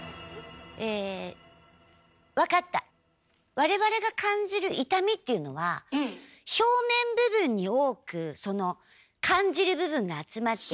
我々が感じる痛みっていうのは表面部分に多く感じる部分が集まっていて。